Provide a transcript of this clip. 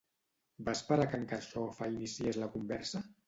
Va esperar que en Carxofa iniciés la conversa?